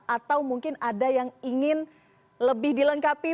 atau mungkin ada yang ingin lebih dilengkapi